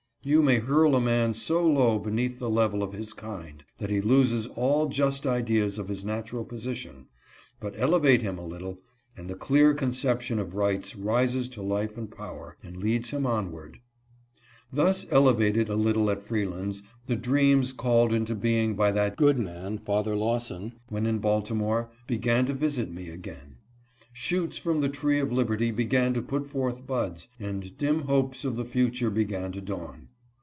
You may hurl a man so low beneath the level of his kind, 186 AT HIS OLD TRICKS. that lie loses all just ideas of his natural position, but elevate him a little, and the clear conception of rights rises to life and power, and leads him onward. Thus elevated a little at Freeland's, the dreams called into being by that good man, Father Lawson, when in Balti more, began to visit me again. Shoots from the tree of liberty began to put forth buds, and dim hopes of the future began to dawn.